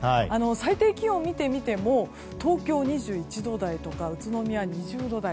最低気温を見てみても東京２１度台とか宇都宮は２０度台。